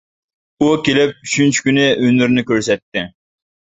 ئۇ كېلىپ ئۈچىنچى كۈنى ھۈنىرىنى كۆرسەتتى.